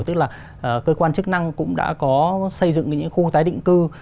tức là cơ quan chức năng cũng đã có xây dựng những khu tái định cư